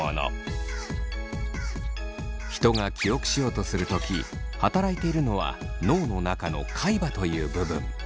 人が記憶しようとする時働いているのは脳の中の海馬という部分。